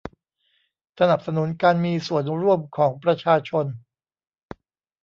สนับสนุนการมีส่วนร่วมของประชาชน